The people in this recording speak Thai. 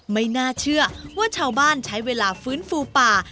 ไม่น่าเชื่อว่าชาวบ้านใช้เวลาฟื้นฟูป่า